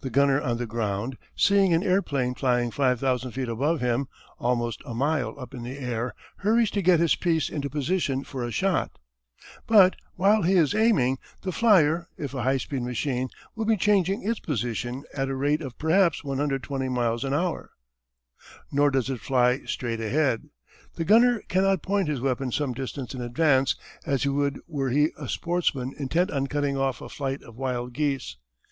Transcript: The gunner on the ground seeing an airplane flying five thousand feet above him almost a mile up in the air hurries to get his piece into position for a shot. But while he is aiming the flyer, if a high speed machine, will be changing its position at a rate of perhaps 120 miles an hour. Nor does it fly straight ahead. The gunner cannot point his weapon some distance in advance as he would were he a sportsman intent on cutting off a flight of wild geese.